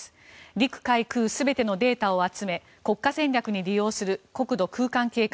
陸海空全てのデータを集め国家戦略に利用する国土空間計画。